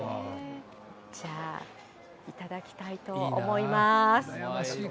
じゃあ、頂きたいと思います。